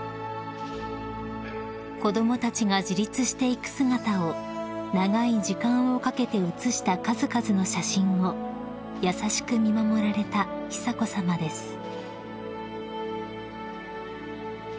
［子供たちが自立していく姿を長い時間をかけて写した数々の写真を優しく見守られた久子さまです］